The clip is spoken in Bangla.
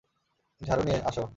ঝাড়ু নিয়ে আসো!